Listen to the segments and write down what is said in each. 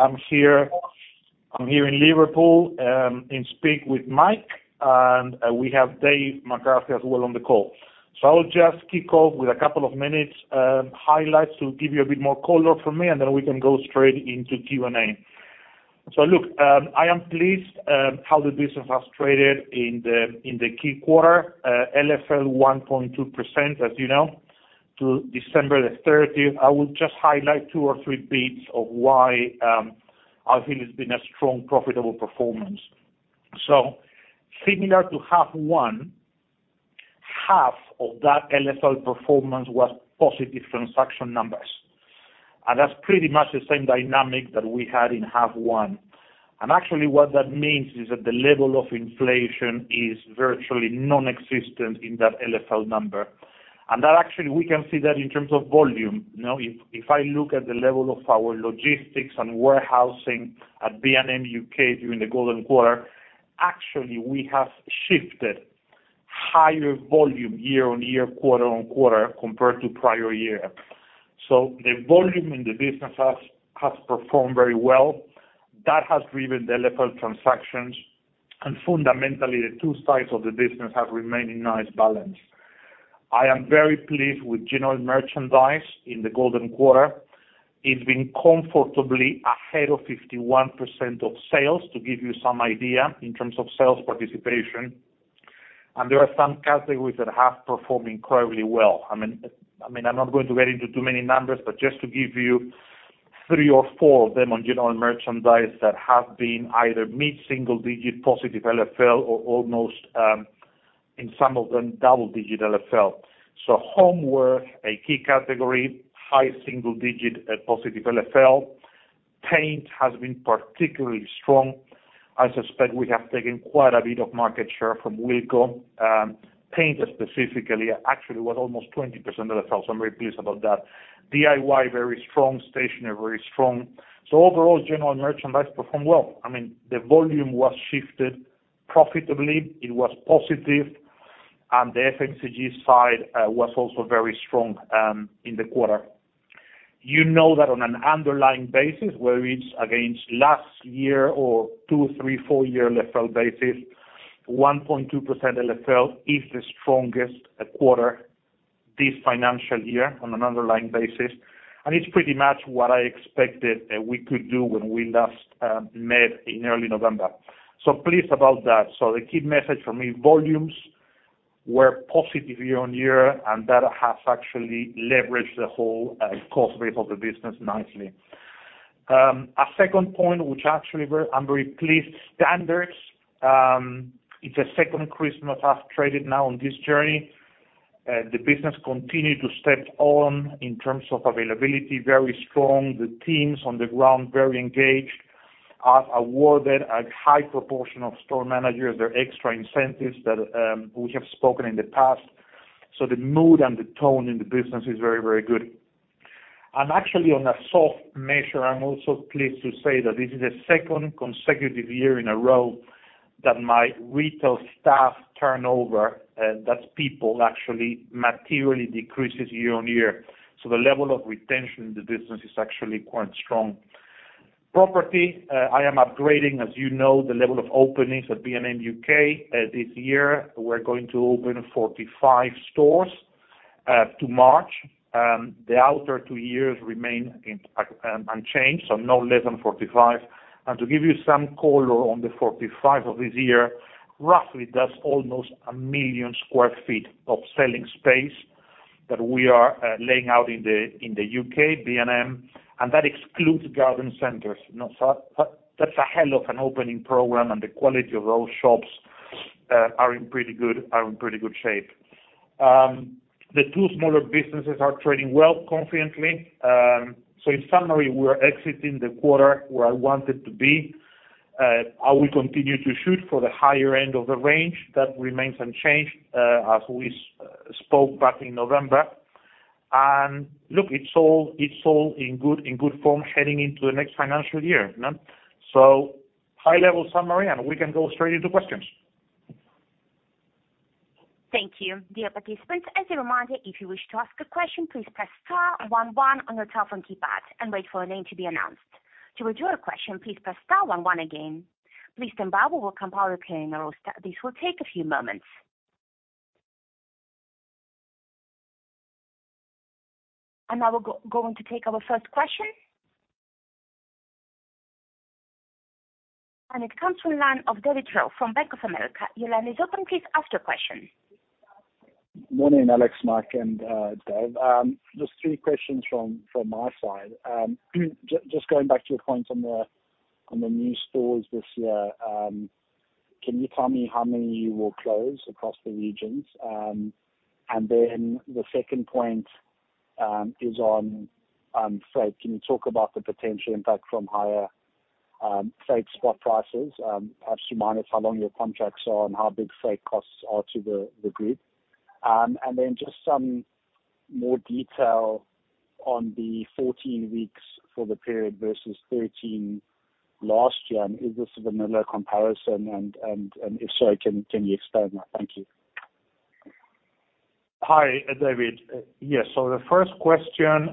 I'm here, I'm here in Liverpool, and speak with Mike, and we have Dave McCarthy as well on the call. So I'll just kick off with a couple of minutes, highlights to give you a bit more color from me, and then we can go straight into Q&A. So look, I am pleased how the business has traded in the key quarter, LFL 1.2%, as you know, to December the thirtieth. I will just highlight two or three bits of why I feel it's been a strong, profitable performance. So similar to half one, half of that LFL performance was positive transaction numbers. And that's pretty much the same dynamic that we had in half one. And actually, what that means is that the level of inflation is virtually nonexistent in that LFL number. And that actually, we can see that in terms of volume, you know? If, if I look at the level of our logistics and warehousing at B&M UK during the Golden Quarter, actually, we have shifted higher volume year-over-year, quarter-over-quarter, compared to prior year. So the volume in the business has, has performed very well. That has driven the LFL transactions, and fundamentally, the two sides of the business have remained in nice balance. I am very pleased with general merchandise in the Golden Quarter. It's been comfortably ahead of 51% of sales, to give you some idea in terms of sales participation. And there are some categories that have performed incredibly well. I mean, I'm not going to get into too many numbers, but just to give you three or four of them on general merchandise that have been either mid-single digit positive LFL or almost, in some of them, double-digit LFL. So homeware, a key category, high single digit at positive LFL. Paint has been particularly strong. I suspect we have taken quite a bit of market share from Wilko. Paint specifically, actually, was almost 20% LFL, so I'm very pleased about that. DIY, very strong. Stationery, very strong. So overall, general merchandise performed well. I mean, the volume was shifted profitably, it was positive, and the FMCG side was also very strong in the quarter. You know that on an underlying basis, whether it's against last year or two, three, four-year LFL basis, 1.2% LFL is the strongest quarter this financial year on an underlying basis. It's pretty much what I expected we could do when we last met in early November. Pleased about that. The key message for me, volumes were positive year-over-year, and that has actually leveraged the whole cost base of the business nicely. A second point, which actually, I'm very pleased, standards, it's a second Christmas I've traded now on this journey. The business continued to step on in terms of availability, very strong. The teams on the ground, very engaged, have awarded a high proportion of store managers their extra incentives that we have spoken in the past. So the mood and the tone in the business is very, very good. And actually, on a soft measure, I'm also pleased to say that this is the second consecutive year in a row that my retail staff turnover, that's people, actually materially decreases year-on-year. So the level of retention in the business is actually quite strong. Property, I am upgrading, as you know, the level of openings at B&M UK. This year, we're going to open 45 stores to March. The other two years remain unchanged, so no less than 45. And to give you some color on the 45 of this year, roughly, that's almost 1 million sq ft of selling space that we are laying out in the UK, B&M, and that excludes garden centers, you know. So that, that's a hell of an opening program, and the quality of those shops are in pretty good, are in pretty good shape. The two smaller businesses are trading well, confidently. So in summary, we're exiting the quarter where I wanted to be. I will continue to shoot for the higher end of the range. That remains unchanged, as we spoke back in November. And look, it's all, it's all in good, in good form, heading into the next financial year, you know? So high-level summary, and we can go straight into questions. Thank you. Dear participants, as a reminder, if you wish to ask a question, please press star one one on your telephone keypad and wait for your name to be announced. To withdraw your question, please press star one one again. Please stand by while we compile the clearing roster. This will take a few moments. Now we're going to take our first question. It comes from line of David Trew from Bank of America. Your line is open. Please ask your question. Morning, Alex, Mike, and Dave. Just three questions from my side. Just going back to your point on the new stores this year, can you tell me how many you will close across the regions? And then the second point is on freight. Can you talk about the potential impact from higher freight spot prices? Perhaps you remind us how long your contracts are and how big freight costs are to the group. And then just some more detail on the 14 weeks for the period versus 13 last year, and is this a vanilla comparison? And if so, can you explain that? Thank you. ... Hi, David. Yes, so the first question,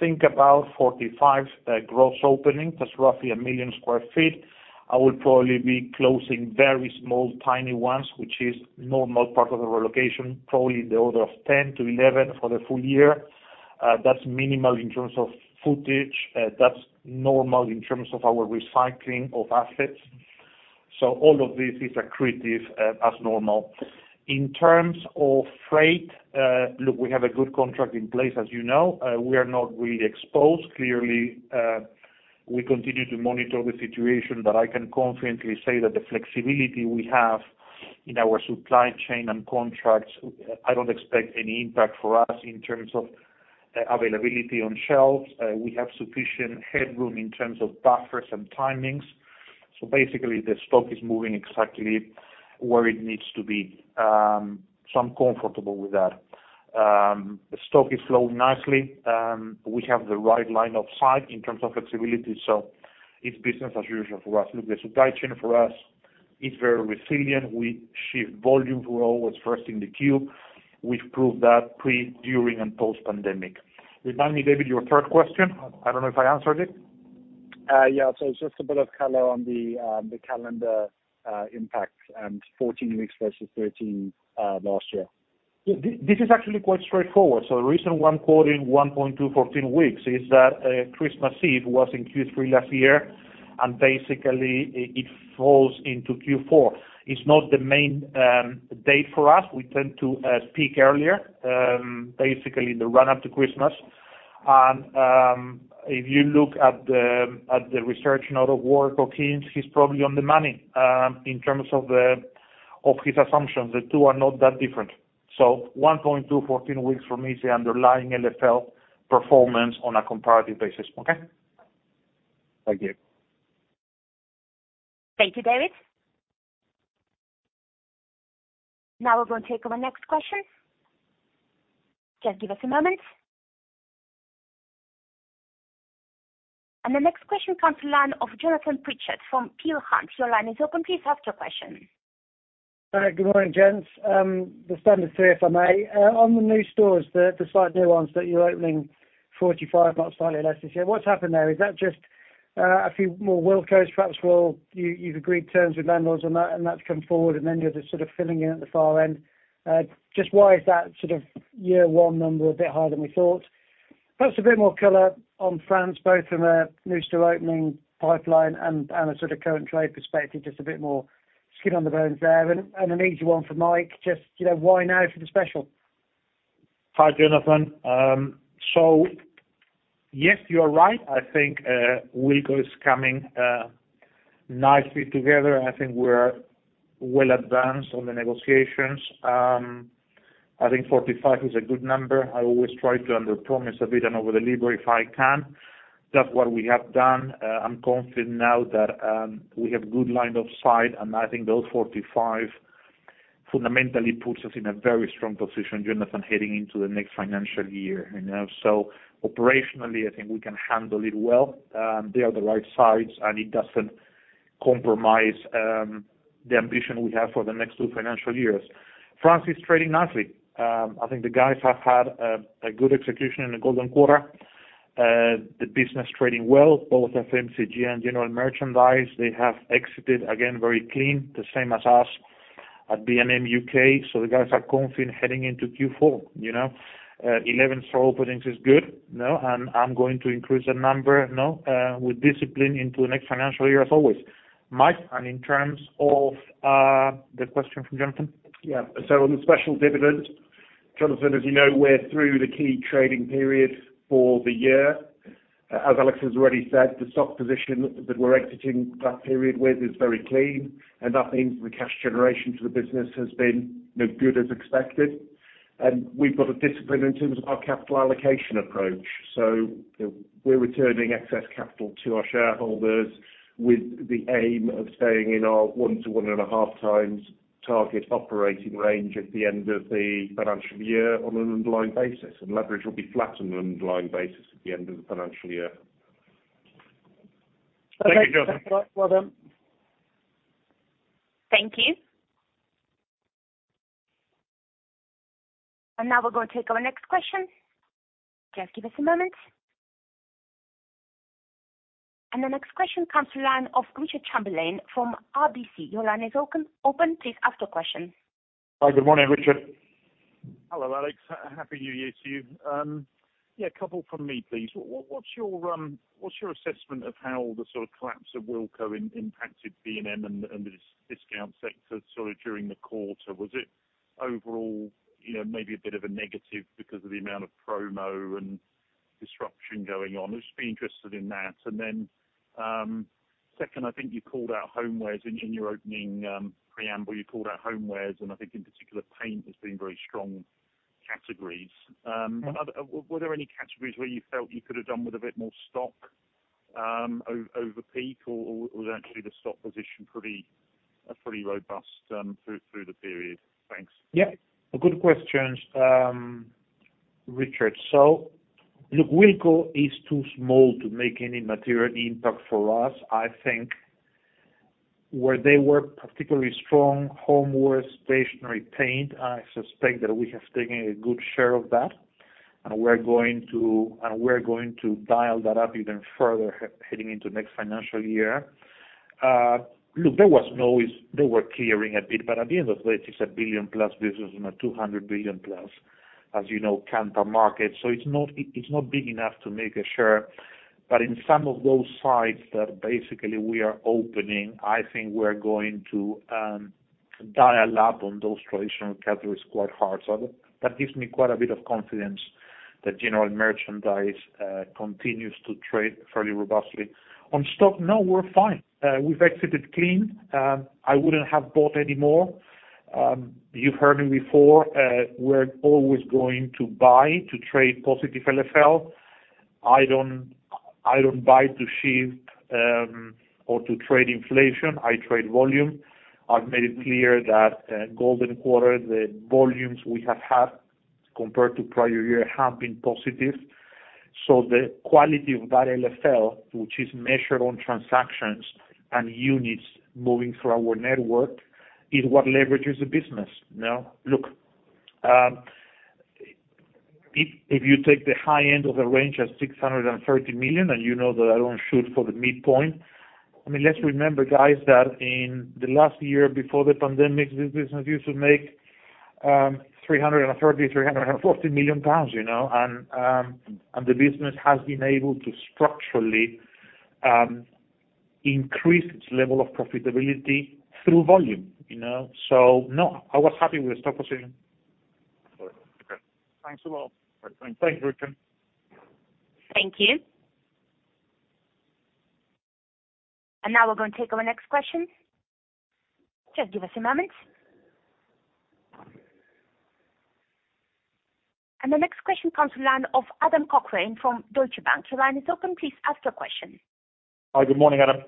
think about 45 gross opening. That's roughly 1 million sq ft. I will probably be closing very small, tiny ones, which is normal part of the relocation, probably in the order of 10-11 for the full year. That's minimal in terms of footage. That's normal in terms of our recycling of assets. So all of this is accretive, as normal. In terms of freight, look, we have a good contract in place, as you know. We are not really exposed. Clearly, we continue to monitor the situation, but I can confidently say that the flexibility we have in our supply chain and contracts, I don't expect any impact for us in terms of availability on shelves. We have sufficient headroom in terms of buffers and timings. Basically, the stock is moving exactly where it needs to be. I'm comfortable with that. The stock is flowing nicely, we have the right line of sight in terms of flexibility, so it's business as usual for us. Look, the supply chain for us is very resilient. We shift volumes. We're always first in the queue. We've proved that pre, during, and post-pandemic. Remind me, David, your third question. I don't know if I answered it. Yeah. So it's just a bit of color on the calendar impact and 14 weeks versus 13 last year. Yeah, this is actually quite straightforward. So the reason why I'm quoting 1.2 14 weeks is that, Christmas Eve was in Q3 last year, and basically, it falls into Q4. It's not the main date for us. We tend to peak earlier, basically in the run-up to Christmas. If you look at the research note of Warwick Okines, he's probably on the money, in terms of his assumptions. The two are not that different. So 1.2 14 weeks for me is the underlying LFL performance on a comparative basis. Okay? Thank you. Thank you, David. Now we're going to take our next question. Just give us a moment. The next question comes from the line of Jonathan Pritchard from Peel Hunt. Your line is open. Please ask your question. Good morning, gents. The standard three, if I may. On the new stores, the site new ones that you're opening, 45, not slightly less this year. What's happened there? Is that just a few more Wilko's perhaps? Well, you've agreed terms with landlords on that, and that's come forward, and then you're just sort of filling in at the far end. Just why is that sort of year one number a bit higher than we thought? Perhaps a bit more color on France, both from a new store opening pipeline and a sort of current trade perspective, just a bit more skin on the bones there. An easy one for Mike, just, you know, why now for the special? Hi, Jonathan. Yes, you are right. I think Wilko is coming nicely together. I think we're well advanced on the negotiations. I think 45 is a good number. I always try to underpromise a bit and overdeliver if I can. That's what we have done. I'm confident now that we have good line of sight, and I think those 45 fundamentally puts us in a very strong position, Jonathan, heading into the next financial year, you know. Operationally, I think we can handle it well. They are the right sites, and it doesn't compromise the ambition we have for the next two financial years. France is trading nicely. I think the guys have had a good execution in the Golden Quarter. The business trading well, both FMCG and General Merchandise. They have exited, again, very clean, the same as us at B&M UK. So the guys are confident heading into Q4, you know. 11 store openings is good, you know, and I'm going to increase the number, you know, with discipline into the next financial year, as always. Mike, and in terms of, the question from Jonathan? Yeah. So on the special dividend, Jonathan, as you know, we're through the key trading period for the year. As Alex has already said, the stock position that we're exiting that period with is very clean, and that means the cash generation to the business has been as good as expected. We've got a discipline in terms of our capital allocation approach. So we're returning excess capital to our shareholders with the aim of staying in our 1-1.5 times target operating range at the end of the financial year on an underlying basis, and leverage will be flat on an underlying basis at the end of the financial year. Thank you, Jonathan. Thank you. Now we're going to take our next question. Just give us a moment. The next question comes to line of Richard Chamberlain from RBC. Your line is open, open. Please ask your question. Hi, good morning, Richard. Hello, Alex. Happy New Year to you. Yeah, a couple from me, please. What's your assessment of how the sort of collapse of Wilko impacted B&M and the discount sector sort of during the quarter? Was it overall, you know, maybe a bit of a negative because of the amount of promo and disruption going on? I'd just be interested in that. And then, second, I think you called out homewares in your opening preamble. You called out homewares, and I think in particular, paint as being very strong categories. But were there any categories where you felt you could have done with a bit more stock over peak, or was actually the stock position pretty robust through the period? Thanks. Yeah, good questions, Richard. So look, Wilko is too small to make any material impact for us, I think, where they were particularly strong, homewares, stationery, paint. I suspect that we have taken a good share of that, and we're going to, and we're going to dial that up even further heading into next financial year. Look, there was noise. They were clearing a bit, but at the end of the day, it's a 1 billion-plus business and a 200 billion-plus, as you know, consumer market. So it's not, it, it's not big enough to make a dent. But in some of those sites that basically we are opening, I think we're going to dial up on those traditional categories quite hard. So that gives me quite a bit of confidence that general merchandise continues to trade fairly robustly. On stock, no, we're fine. We've exited clean. I wouldn't have bought any more. You've heard me before, we're always going to buy to trade positive LFL. I don't, I don't buy to shift, or to trade inflation, I trade volume. I've made it clear that, Golden Quarter, the volumes we have had compared to prior year, have been positive. So the quality of that LFL, which is measured on transactions and units moving through our network, is what leverages the business, you know? Look, if you take the high end of the range at 630 million, and you know that I don't shoot for the midpoint, I mean, let's remember, guys, that in the last year before the pandemic, this business used to make 330 million-340 million pounds, you know, and the business has been able to structurally increase its level of profitability through volume, you know. So, no, I was happy with the stock position. Okay. Thanks a lot. Thanks, Richard. Thank you. Now we're going to take our next question. Just give us a moment. The next question comes to the line of Adam Cochrane from Deutsche Bank. The line is open, please ask your question. Hi, good morning, Adam.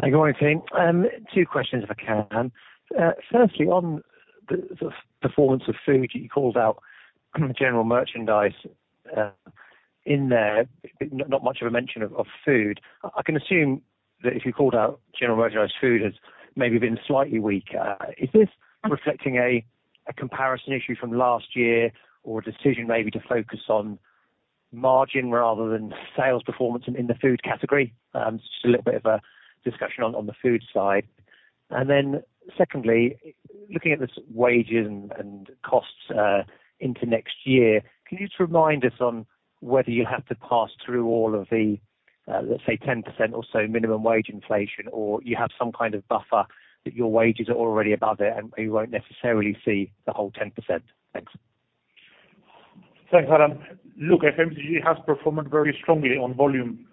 Hi, good morning to you. Two questions, if I can. Firstly, on the performance of food, you called out General Merchandise in there, but not much of a mention of food. I can assume that if you called out General Merchandise, food has maybe been slightly weaker. Is this reflecting a comparison issue from last year, or a decision maybe to focus on margin rather than sales performance in the food category? Just a little bit of a discussion on the food side. Secondly, looking at the wages and costs into next year, can you just remind us on whether you have to pass through all of the, let's say, 10% or so minimum wage inflation, or you have some kind of buffer that your wages are already above it and we won't necessarily see the whole 10%? Thanks. Thanks, Adam. Look, FMCG has performed very strongly on volume.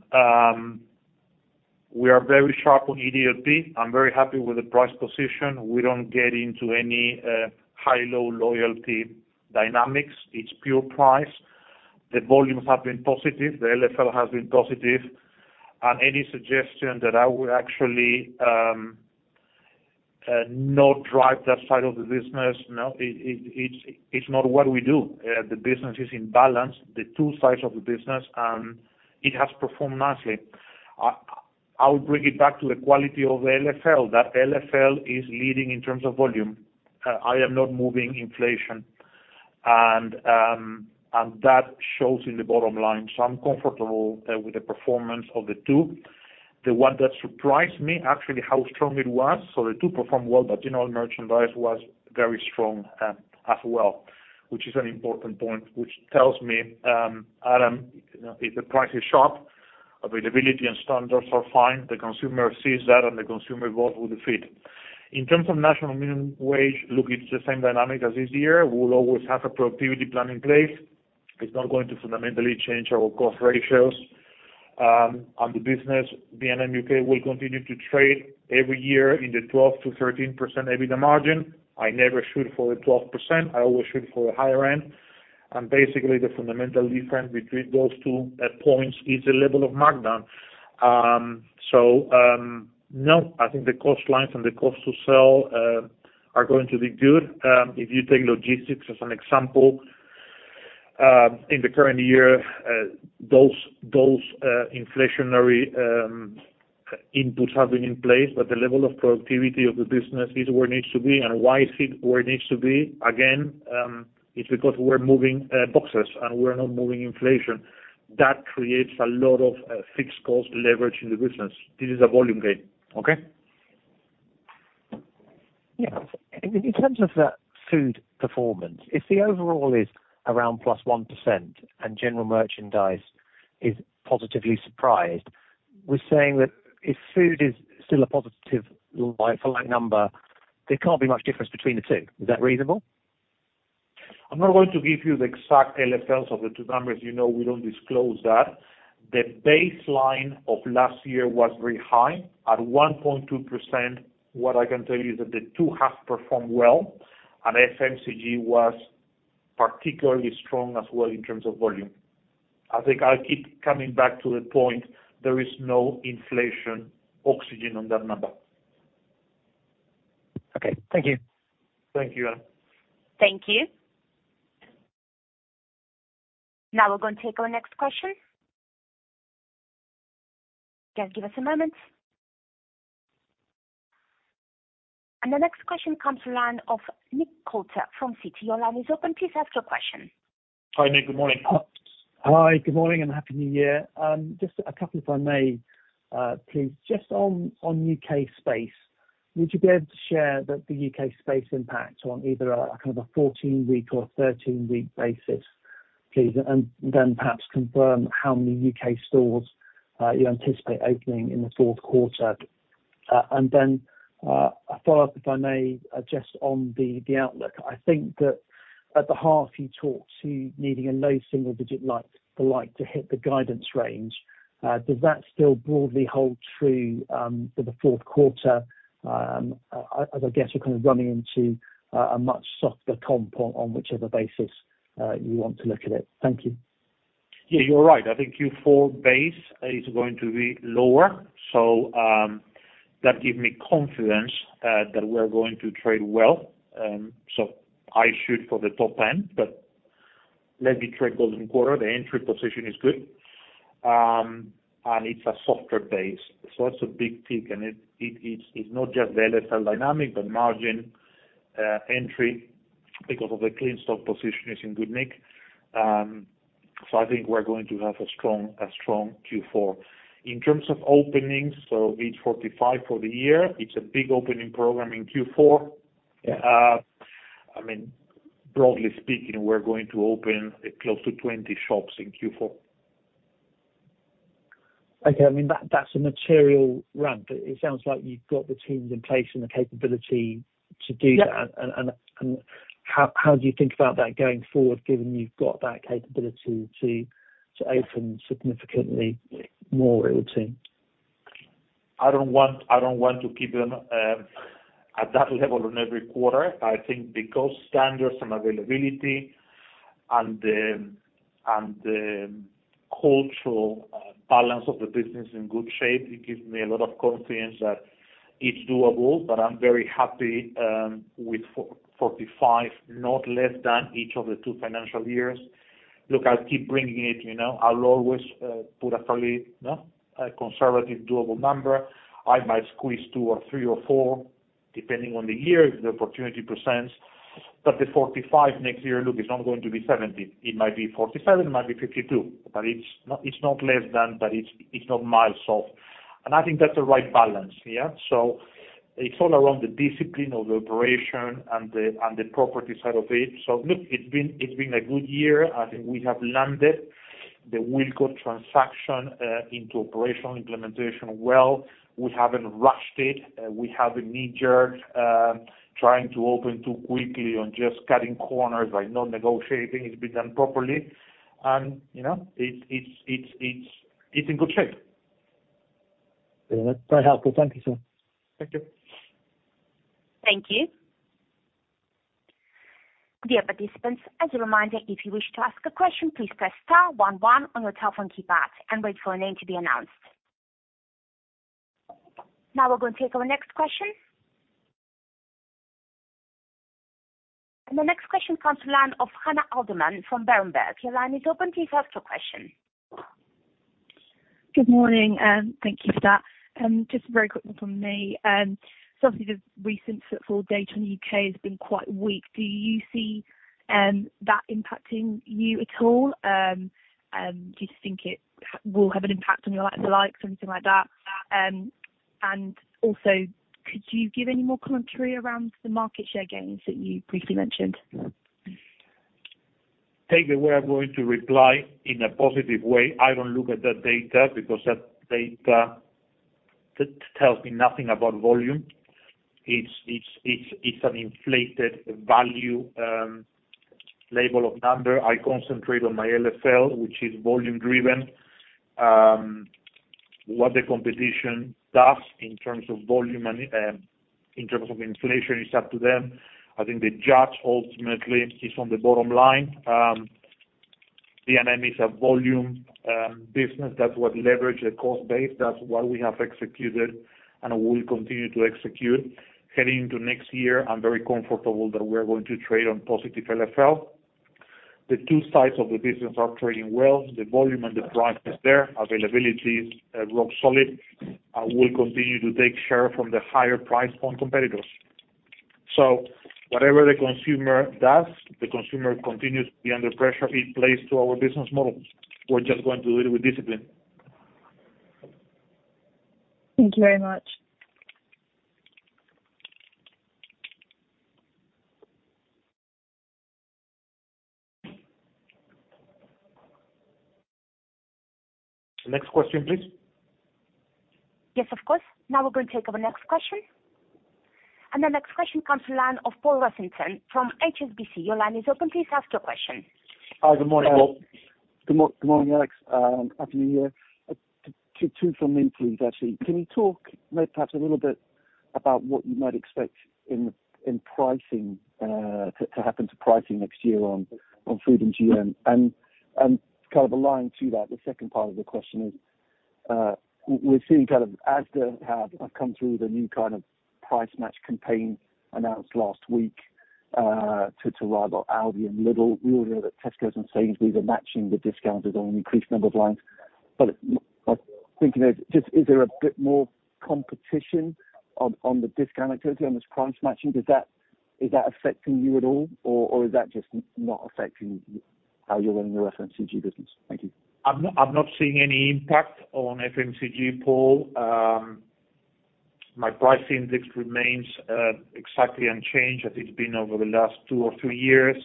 We are very sharp on EDLP. I'm very happy with the price position. We don't get into any high-low loyalty dynamics. It's pure price. The volumes have been positive, the LFL has been positive, and any suggestion that I would actually not drive that side of the business, no, it's not what we do. The business is in balance, the two sides of the business, and it has performed nicely. I would bring it back to the quality of the LFL. That LFL is leading in terms of volume. I am not moving inflation, and that shows in the bottom line. So I'm comfortable with the performance of the two. The one that surprised me, actually, how strong it was, so the two performed well, but general merchandise was very strong, as well, which is an important point, which tells me, Adam, if the price is sharp, availability and standards are fine, the consumer sees that, and the consumer votes with the feet. In terms of national minimum wage, look, it's the same dynamic as this year. We will always have a productivity plan in place. It's not going to fundamentally change our cost ratios, and the business, B&M UK, will continue to trade every year in the 12%-13% EBITDA margin. I never shoot for the 12%, I always shoot for the higher end. And basically, the fundamental difference between those two points is the level of markdown. So, no, I think the cost lines and the cost to sell are going to be good. If you take logistics as an example, in the current year, those inflationary inputs have been in place, but the level of productivity of the business is where it needs to be. And why is it where it needs to be? Again, it's because we're moving boxes, and we're not moving inflation. That creates a lot of fixed cost leverage in the business. This is a volume game. Okay? Yeah. In terms of that food performance, if the overall is around +1% and general merchandise is positively surprised, we're saying that if food is still a positive like-for-like number, there can't be much difference between the two. Is that reasonable? I'm not going to give you the exact LFLs of the two numbers. You know, we don't disclose that. The baseline of last year was very high. At one point, 2%, what I can tell you is that the two have performed well, and FMCG was particularly strong as well in terms of volume. I think I'll keep coming back to the point. There is no inflation oxygen on that number. Okay. Thank you. Thank you, Adam. Thank you. Now we're going to take our next question. Just give us a moment. The next question comes to line of Nick Coulter from Citi. Your line is open. Please ask your question. Hi, Nick. Good morning. Hi, good morning, and Happy New Year. Just a couple, if I may, please. Just on UK space, would you be able to share the UK space impact on either a kind of a 14-week or a 13-week basis, please? And then perhaps confirm how many UK stores you anticipate opening in the fourth quarter. And then a follow-up, if I may, just on the outlook. I think that at the half, you talked to needing a low single digit like-for-like to hit the guidance range. Does that still broadly hold true for the fourth quarter? As I guess, you're kind of running into a much softer compound on whichever basis you want to look at it. Thank you. Yeah, you're right. I think Q4 base is going to be lower, so that gives me confidence that we're going to trade well. So I shoot for the top end, but let me trade Golden Quarter. The entry position is good. And it's a softer base, so that's a big tick, and it's not just the LFL dynamic, but margin entry because of the clean stock position is in good nick. So I think we're going to have a strong Q4. In terms of openings, it's 45 for the year. It's a big opening program in Q4. I mean, broadly speaking, we're going to open close to 20 shops in Q4. Okay. I mean, that, that's a material ramp. It sounds like you've got the teams in place and the capability to do that. Yeah. And how do you think about that going forward, given you've got that capability to open significantly more, it would seem? I don't want, I don't want to keep them at that level on every quarter. I think because standards and availability and the, and the cultural balance of the business is in good shape, it gives me a lot of confidence that it's doable. But I'm very happy with 45, not less than each of the two financial years. Look, I'll keep bringing it, you know. I'll always put a fairly a conservative, doable number. I might squeeze two or three or four, depending on the year, if the opportunity presents. But the 45 next year, look, it's not going to be 70. It might be 47, it might be 52, but it's not, it's not less than that, but it's, it's not miles off. And I think that's the right balance, yeah? So it's all around the discipline of the operation and the property side of it. So look, it's been a good year. I think we have landed the Wilko transaction into operational implementation well. We haven't rushed it. We have a knee-jerk trying to open too quickly and just cutting corners by not negotiating. It's been done properly, and, you know, it's in good shape. Very helpful. Thank you, sir. Thank you. Thank you. Dear participants, as a reminder, if you wish to ask a question, please press star one one on your telephone keypad and wait for your name to be announced. Now we're going to take our next question. The next question comes to the line of Hannah Abd-El-Rahman from Berenberg. Your line is open. Please ask your question. Good morning, thank you for that. Just very quickly from me, so obviously the recent footfall data in the UK has been quite weak. Do you see that impacting you at all? Do you think it will have an impact on your like-for-likes or anything like that? And also, could you give any more commentary around the market share gains that you briefly mentioned? Take the word, I'm going to reply in a positive way. I don't look at that data because that data tells me nothing about volume. It's an inflated value label of number. I concentrate on my LFL, which is volume driven. What the competition does in terms of volume and in terms of inflation, it's up to them. I think the judge ultimately is on the bottom line. B&M is a volume business. That's what leverage the cost base. That's what we have executed, and we will continue to execute. Heading into next year, I'm very comfortable that we're going to trade on positive LFL. The two sides of the business are trading well, the volume and the price is there. Availability is rock solid, and we'll continue to take share from the higher price on competitors. So whatever the consumer does, the consumer continues to be under pressure. It plays to our business model. We're just going to do it with discipline. Thank you very much. Next question, please. Yes, of course. Now we're going to take our next question. The next question comes to the line of Paul Rossington from HSBC. Your line is open. Please ask your question. Hi, good morning. Good morning, Alex. Happy New Year. Two from me, please. Actually, can you talk maybe perhaps a little bit about what you might expect in pricing to happen to pricing next year on food and GM? And kind of aligned to that, the second part of the question is... We're seeing kind of Asda have come through the new kind of price match campaign announced last week to rival Aldi and Lidl. We all know that Tescos and Sainsbury's are matching the discounters on an increased number of lines. But I'm thinking of, just is there a bit more competition on the discount activity and this price matching? Does that is that affecting you at all, or is that just not affecting how you're running your FMCG business? Thank you. I'm not, I'm not seeing any impact on FMCG, Paul. My price index remains exactly unchanged as it's been over the last two or three years.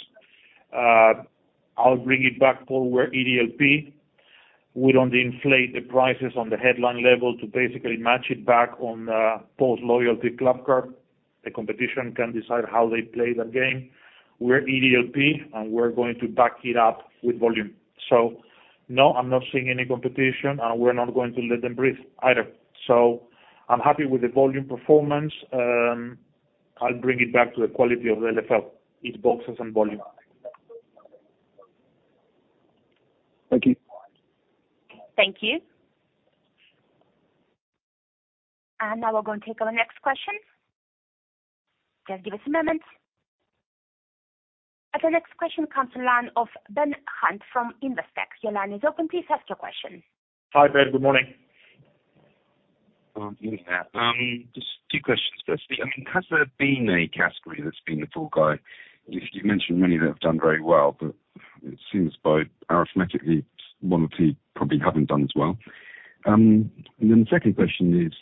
I'll bring it back, Paul, we're EDLP. We don't inflate the prices on the headline level to basically match it back on post loyalty club card. The competition can decide how they play that game. We're EDLP, and we're going to back it up with volume. So no, I'm not seeing any competition, and we're not going to let them breathe either. So I'm happy with the volume performance. I'll bring it back to the quality of the LFL, its boxes and volume. Thank you. Thank you. Now we're going to take our next question. Just give us a moment. The next question comes from the line of Ben Hunt from Investec. Your line is open. Please ask your question. Hi, Ben. Good morning. Evening, just two questions. Firstly, I mean, has there been a category that's been the poor guy? You've mentioned many that have done very well, but it seems by arithmetically, one or two probably haven't done as well. And then the second question is,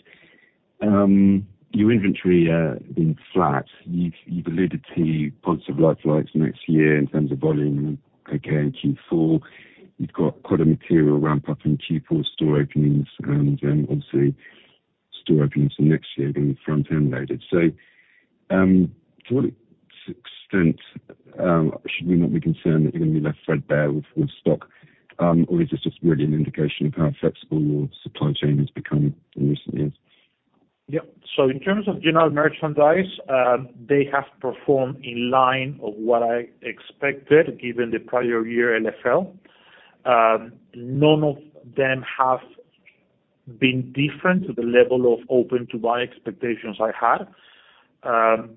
your inventory being flat, you've alluded to points of LFLs next year in terms of volume. Again, Q4, you've got quite a material ramp up in Q4 store openings, and then obviously store openings for next year being front-end loaded. So, to what extent should we not be concerned that you're gonna be left threadbare with stock, or is this just really an indication of how flexible your supply chain has become in recent years? Yep. So in terms of general merchandise, they have performed in line of what I expected, given the prior year LFL. None of them have been different to the level of open to buy expectations I had.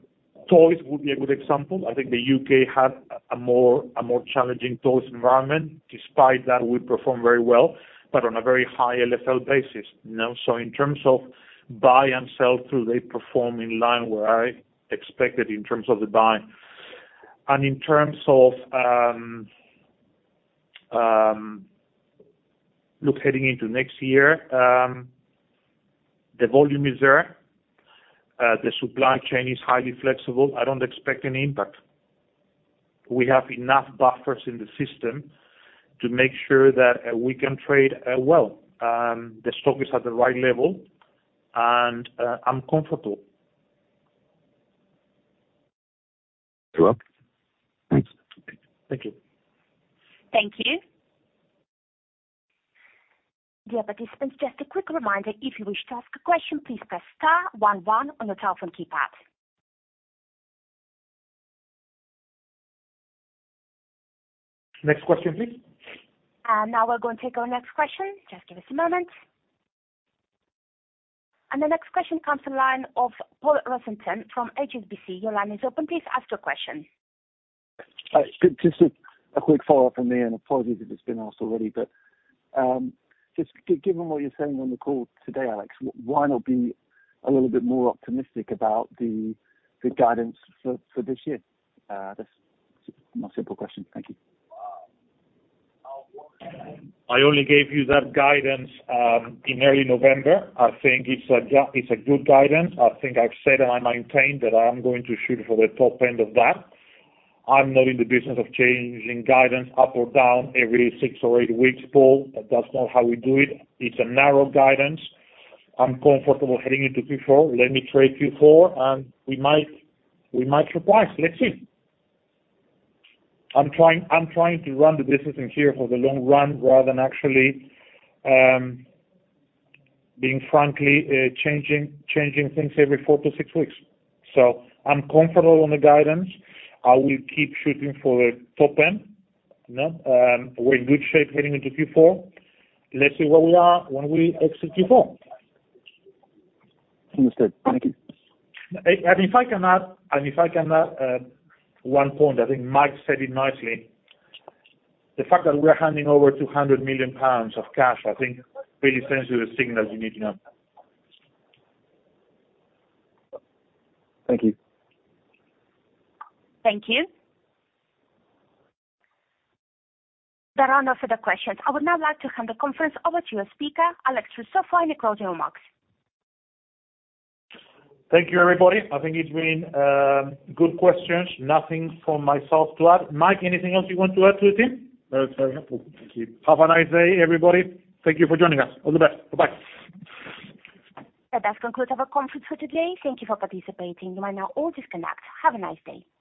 Toys would be a good example. I think the UK had a more challenging toys environment. Despite that, we performed very well, but on a very high LFL basis, you know. So in terms of buy and sell through, they perform in line where I expected in terms of the buy. And in terms of, look, heading into next year, the volume is there. The supply chain is highly flexible. I don't expect any impact. We have enough buffers in the system to make sure that we can trade well. The stock is at the right level, and I'm comfortable. Sure. Thank you. Thank you. Dear participants, just a quick reminder, if you wish to ask a question, please press star one one on your telephone keypad. Next question, please. Now we're going to take our next question. Just give us a moment. The next question comes to the line of Paul Rossington from HSBC. Your line is open. Please ask your question. Just, just a quick follow-up from me, and apologies if it's been asked already, but, just given what you're saying on the call today, Alex, why not be a little bit more optimistic about the, the guidance for, for this year? That's my simple question. Thank you. I only gave you that guidance in early November. I think it's a good guidance. I think I've said, and I maintain that I'm going to shoot for the top end of that. I'm not in the business of changing guidance up or down every six or eight weeks, Paul. That's not how we do it. It's a narrow guidance. I'm comfortable heading into Q4. Let me trade Q4, and we might, we might surprise. Let's see. I'm trying, I'm trying to run the business in here for the long run, rather than actually, being frankly, changing things every four to six weeks. So I'm comfortable on the guidance. I will keep shooting for the top end, you know, we're in good shape heading into Q4. Let's see where we are when we exit Q4. Understood. Thank you. And if I can add, one point, I think Mike said it nicely. The fact that we're handing over 200 million pounds of cash, I think really sends you the signals you need to know. Thank you. Thank you. There are no further questions. I would now like to hand the conference over to your speaker, Alex Russo, for any closing remarks. Thank you, everybody. I think it's been good questions. Nothing from myself to add. Mike, anything else you want to add to the team? No, it's very helpful. Thank you. Have a nice day, everybody. Thank you for joining us. All the best. Bye-bye. That does conclude our conference for today. Thank you for participating. You may now all disconnect. Have a nice day.